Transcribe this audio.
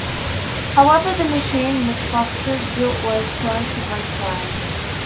However, the machine MythBusters built was prone to breakdowns.